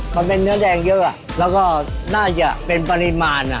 เขาเป็นเนื้อแดงเยอะแล้วก็น่าจะเป็นปริมาณ